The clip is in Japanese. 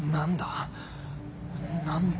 何だ？